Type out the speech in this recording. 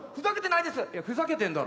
いやふざけてんだろ。